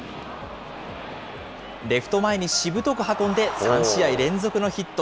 レフト前にしぶとく運んで３試合連続のヒット。